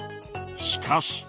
しかし。